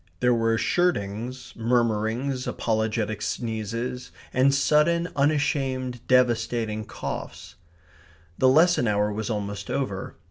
There were shirtings, murmurings, apologetic sneezes, and sudden unashamed devastating coughs. The lesson hour was almost over.